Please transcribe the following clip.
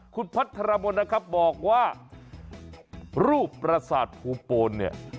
คุณพัทรมนต์นะครับบอกว่ารูปประสาทภูโปนเนี่ย